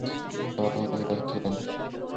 কারণ আমার কোনো অসুখ হয় নি।